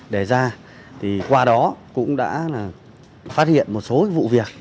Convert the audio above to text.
để ra thì qua đó cũng đã phát hiện một số vụ việc